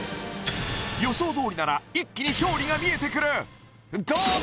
予想どおりなら一気に勝利が見えてくるどうだ？